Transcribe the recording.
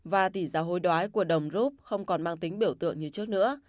và tỷ giá hôi đoái của đồng rub không còn mang tính biểu tượng như trước nữa